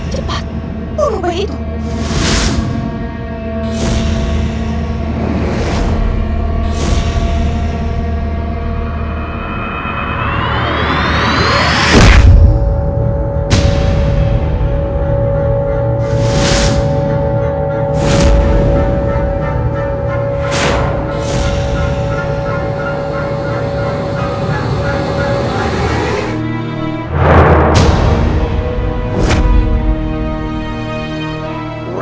cepat bunuh bayi itu